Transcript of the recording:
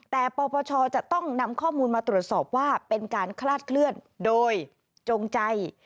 แต่ปปชจะต้องนำข้อมูลมาตรวจสอบว่าเป็นการคลาดเคลื่อนโดยจงใจ